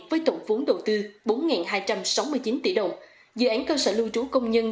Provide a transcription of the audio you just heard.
với tổng vốn đầu tư bốn hai trăm sáu mươi chín tỷ đồng dự án cơ sở lưu trú công nhân